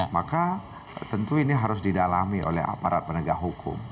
maka tentu ini harus didalami oleh aparat penegak hukum